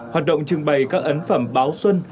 hoạt động trưng bày các ấn phẩm báo xuân